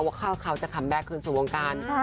เขาจะคัมแก๊กคืนสู่วงการ